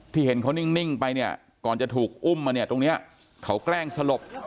เห็นเขานิ่งไปเนี่ยก่อนจะถูกอุ้มมาเนี่ยตรงนี้เขาแกล้งสลบ